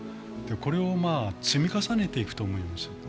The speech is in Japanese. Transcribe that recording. これを積み重ねていくと思います。